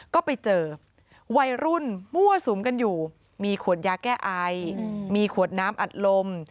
ก็ไปเจอวัยรุ่นมั่วสุมกันอยู่มีขวดยาแก้ไอมีขวดน้ำอัดลม